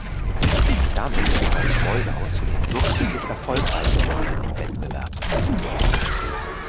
Damit gehört Moldau zu den durchschnittlich erfolgreichen Ländern im Wettbewerb.